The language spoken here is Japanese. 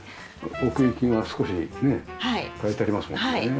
奥行きが少しね変えてありますもんね。